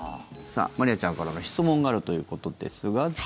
さあ、まりあちゃんからの質問があるということですが。